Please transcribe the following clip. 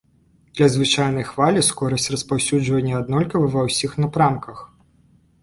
Для звычайнай хвалі скорасць распаўсюджання аднолькавая ва ўсіх напрамках.